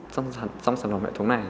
trong sản phẩm hệ thống này